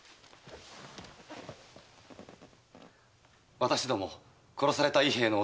私ども殺された伊兵衛の弟と。